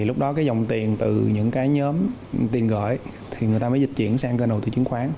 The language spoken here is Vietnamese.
lúc đó dòng tiền từ những nhóm tiền gửi mới dịch chuyển sang kênh đầu tư chứng khoán